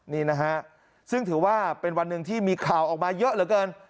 นี่นะฮะซึ่งถือว่าเป็นวันหนึ่งที่มีข่าวออกมาเยอะเหลือเกิน